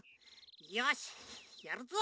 よしやるぞ！